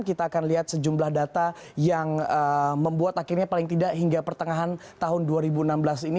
kita akan lihat sejumlah data yang membuat akhirnya paling tidak hingga pertengahan tahun dua ribu enam belas ini